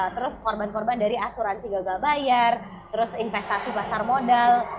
terus korban korban dari asuransi gagal bayar terus investasi pasar modal